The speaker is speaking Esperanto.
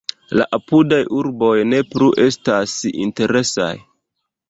La apudaj urboj ne plu estas interesaj.